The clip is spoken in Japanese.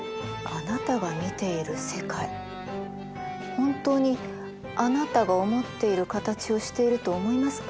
本当にあなたが思っている形をしていると思いますか？